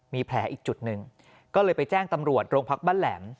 มีแผลอีกจุดหนึ่งก็เลยไปแจ้งตำรวจโรงพักบ้านแหลม